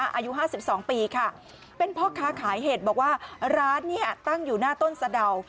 อายุ๕๒ปีค่ะเป็นพ่อค้าขายเห็ดบอกว่าร้านเนี่ยตั้งอยู่หน้าต้นสะดาว